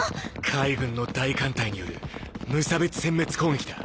海軍の大艦隊による無差別殲滅攻撃だ。